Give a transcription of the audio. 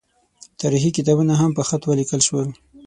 تاریخي کتابونه هم په خط ولیکل شول.